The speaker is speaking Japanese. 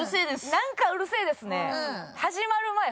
なんかうるせえですね。